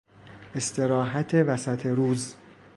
استراحت وسط روز